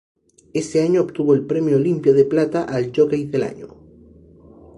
Ese año obtuvo el Premio Olimpia de Plata al jockey del año.